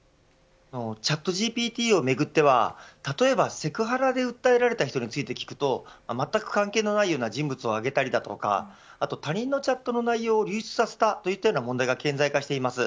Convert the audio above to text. チャットＧＰＴをめぐっては例えば、セクハラで訴えられた人について聞くとまったく関係のないような人物をあげたりだとか他人のチャットの内容を流出させたといったような問題が顕在化しています。